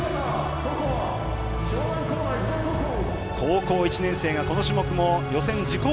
高校１年生が、この種目も予選自己